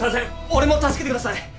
俺も助けてください！